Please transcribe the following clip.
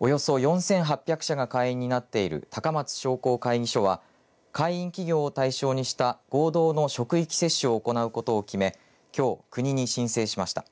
およそ４８００社が会員になっている高松商工会議所は会員企業を対象にした合同の職域接種を行うことを決めきょう、国に申請しました。